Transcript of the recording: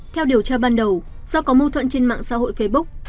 theo điều tra ban đầu do có mâu thuẫn trên mạng xã hội facebook